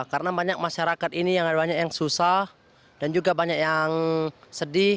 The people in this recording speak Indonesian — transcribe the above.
karena banyak masyarakat ini yang susah dan juga banyak yang sedih